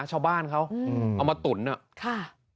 ชาวบ้านเขาเอามาตุ๋นอ่ะค่ะ